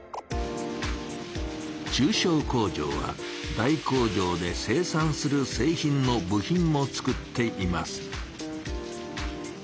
中小工場は大工場で生産するせい品の部品も作っています。